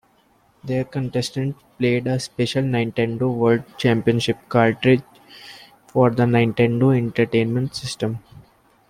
There, contestants played a special Nintendo World Championships cartridge for the Nintendo Entertainment System.